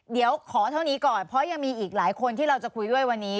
เดี๋ยวขอเท่านี้ก่อนเพราะยังมีอีกหลายคนที่เราจะคุยด้วยวันนี้